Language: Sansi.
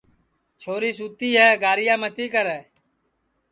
چھوری سُتی ہے گاریا متی کرے